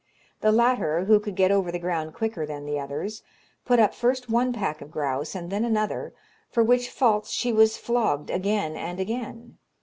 The latter, who could get over the ground quicker than the others, put up first one pack of grouse, and then another, for which faults she was flogged again and again.